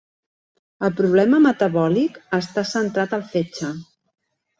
El problema metabòlic està centrat al fetge.